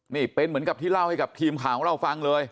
นี่เป็นเหมือนกับที่เล่าให้กับทีมข่าวของเราฟังเลย